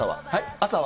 朝は。